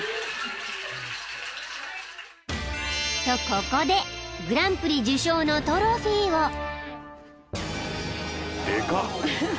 ［とここでグランプリ受賞のトロフィーを］